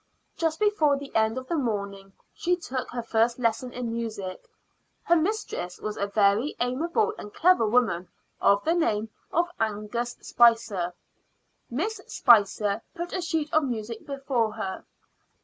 Just before the end of the morning she took her first lesson in music. Her mistress was a very amiable and clever woman of the name of Agnes Spicer. Miss Spicer put a sheet of music before her.